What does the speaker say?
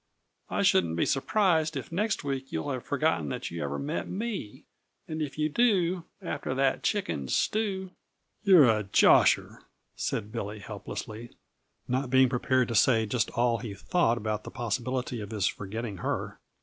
"I shouldn't be surprised if next week you'll have forgotten that you ever met me. And if you do, after that chicken stew " "You're a josher," said Billy helplessly, not being prepared to say just all he thought about the possibility of his forgetting her.